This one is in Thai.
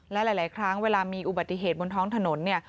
และหลายครั้งเวลามีอุบัติเหตุบนท้องถนนเนี่ย